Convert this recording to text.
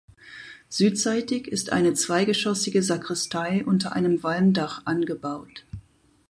Südseitig ist eine zweigeschoßige Sakristei unter einem Walmdach angebaut.